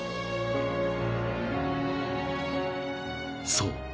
［そう。